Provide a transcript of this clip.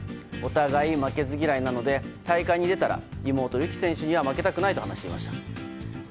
お互い、負けず嫌いなので大会に出たら妹・るき選手には負けたくないと話していました。